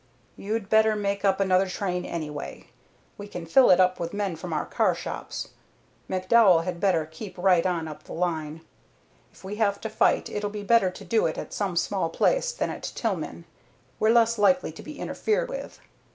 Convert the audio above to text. "You'd better make up another train, anyway. We can fill it up with men from our carshops. McDowell had better keep right on up the line. If we have to fight, it'll be better to do it at some small place than at Tillman. We're less likely to be interfered with.